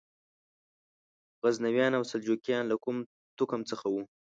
غزنویان او سلجوقیان له کوم توکم څخه وو؟